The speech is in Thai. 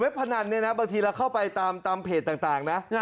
เว็บพนันบางทีเราเข้าไปตามเพจต่างนะ